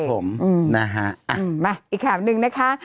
ใช่นะฮะอืมมาอีกคำนึงนะคะ